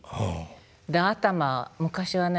で頭昔はね